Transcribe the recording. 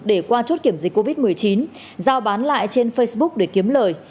để qua chốt kiểm dịch covid một mươi chín giao bán lại trên facebook để kiếm lời